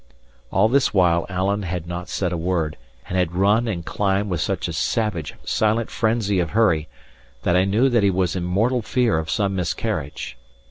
All this while Alan had not said a word, and had run and climbed with such a savage, silent frenzy of hurry, that I knew that he was in mortal fear of some miscarriage.